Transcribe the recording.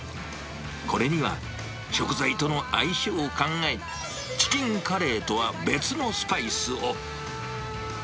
これには食材との相性を考え、チキンカレーとは別のスパイスを。